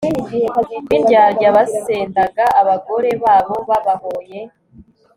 b'indyarya basendaga abagore babo babahoye